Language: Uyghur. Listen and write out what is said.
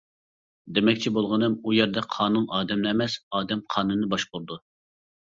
دېمەكچى بولغىنىم ئۇ يەردە قانۇن ئادەمنى ئەمەس، ئادەم قانۇننى باشقۇرىدۇ.